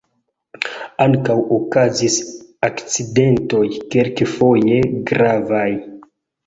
Ankaŭ okazis akcidentoj, kelkfoje gravaj.